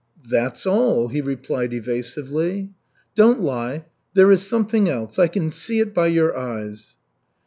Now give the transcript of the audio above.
"That's all," he replied evasively. "Don't lie. There is something else. I can see it by your eyes."